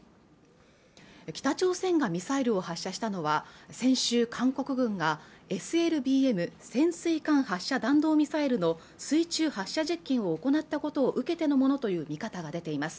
北朝鮮がミサイルを発射したのは先週韓国軍がＳＬＢＭ潜水艦発射弾道ミサイルの水中発射実験を行ったことを受けてのものという見方が出ています